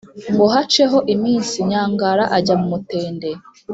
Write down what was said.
ngo haceho iminsi, nyangara ajya mu mutende